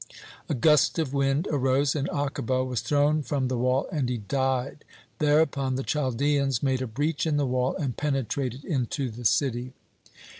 A gust of wind arose, and Akiba was thrown from the wall, and he died. Thereupon the Chaldeans made a breach in the wall, and penetrated into the city.